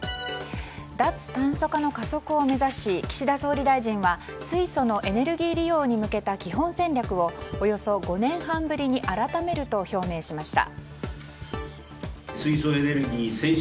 脱炭素化の加速を目指し岸田総理大臣が水素のエネルギー利用に向けた基本戦略をおよそ５年半ぶりに改めると表明しました。